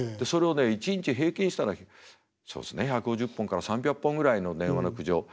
それをね一日平均したらそうですね１５０本から３００本ぐらいの電話の苦情。